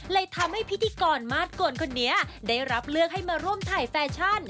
เลยทำให้พิธีกรมาสกลคนนี้ได้รับเลือกให้มาร่วมถ่ายแฟชั่น